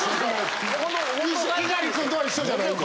猪狩君とは一緒じゃないんで。